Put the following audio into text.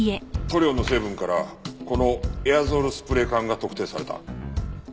塗料の成分からこのエアゾールスプレー缶が特定された。